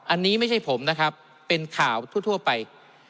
อันนี้ไม่ใช่ผมนะครับเป็นข่าวทั่วไป